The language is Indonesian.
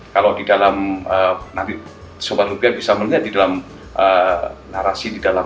kalau di dalam nanti sebuah rupiah bisa melihat di dalam narasi di dalam